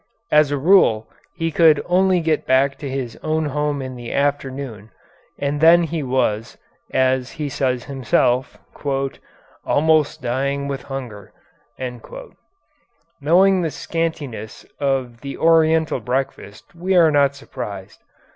As a rule he could only get back to his own home in the afternoon, and then he was, as he says himself, "almost dying with hunger." Knowing the scantiness of the Oriental breakfast, we are not surprised.